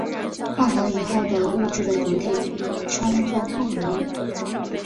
混合以后的物质的总体称作混合物。